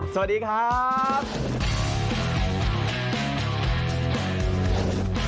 สวัสดีครับ